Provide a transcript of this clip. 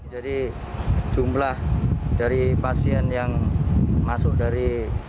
jadi jumlah dari pasien yang masuk dari